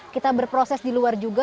kita berproses di luar juga